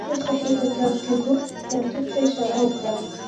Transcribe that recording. د خبرو په ترڅ کې دروغ تحقیق ته اشاره وکړه.